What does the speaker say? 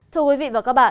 thưa quý vị và các bạn